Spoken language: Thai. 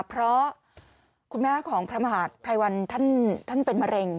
เพราะคุณแม่ของพระมหาภัยวันท่านเป็นมะเร็ง